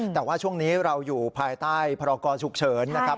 แต่ว่าช่วงนี้เราอยู่ภายใต้พรกรฉุกเฉินนะครับ